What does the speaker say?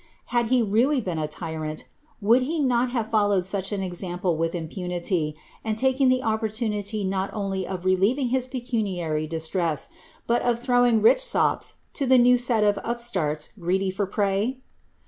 Had he really been a tyrant, would be nol liavc followed such an example with impunity, and taken the oppoi^ lunity not only of relieving his pecuniary distress, but of throwing rick sops to the now set of upstarts greedy for prey